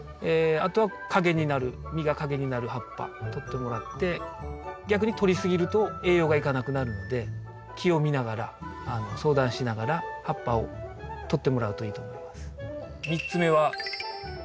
あとは陰になる実が陰になる葉っぱとってもらって逆にとり過ぎると栄養がいかなくなるので木を見ながら相談しながら葉っぱをとってもらうといいと思います。